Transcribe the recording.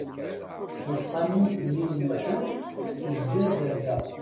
Bu tqamumt-nni n Muḥend izger-d ar da.